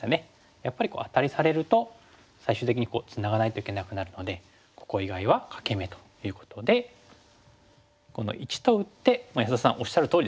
やっぱりアタリされると最終的にツナがないといけなくなるのでここ以外は欠け眼ということでこの①と打って安田さんおっしゃるとおりですね。